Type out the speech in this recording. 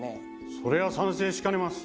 それは賛成しかねます。